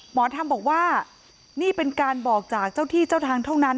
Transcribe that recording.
หมอธรรมบอกว่านี่เป็นการบอกจากเจ้าที่เจ้าทางเท่านั้น